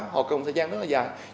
họ cần một thời gian rất là dài